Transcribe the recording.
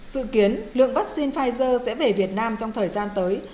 dự kiến lượng vaccine pfizer sẽ về việt nam trong thời gian tới